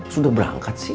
sudah berangkat sih